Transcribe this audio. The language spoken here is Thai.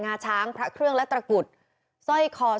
งาช้างพระเครื่องศัตรูประกรุษสายน้ำ